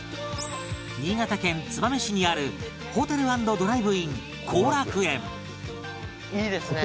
新潟県燕市にあるホテル＆ドライブイン公楽園